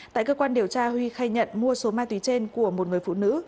tại cơ quan điều tra huy khai nhận mua số ma túy trên của một người phụ nữ